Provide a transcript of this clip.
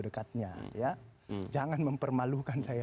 dekatnya ya jangan mempermalukan saya